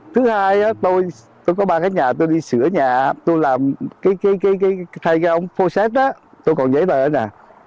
dạ tôi còn dạy đầy ở đây nè